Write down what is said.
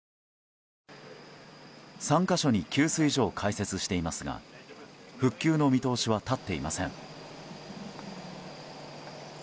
３か所に給水所を開設していますが復旧の見通しは立っていません。